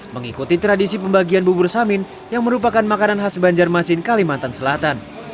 mengikuti tradisi pembagian bubur samin yang merupakan makanan khas banjarmasin kalimantan selatan